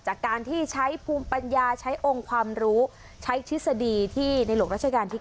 จากการที่ใช้ภูมิปัญญาใช้องค์ความรู้ใช้ทฤษฎีที่ในหลวงราชการที่๙